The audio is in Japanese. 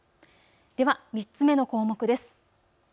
では３つ目の項目です。